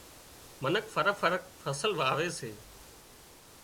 منک فرق فرق فصل واوي سي